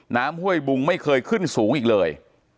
ห้วยบุงไม่เคยขึ้นสูงอีกเลย